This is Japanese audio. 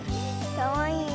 かわいいよ。